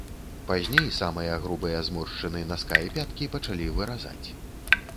Пазней самыя грубыя зморшчыны наска і пяткі пачалі выразаць.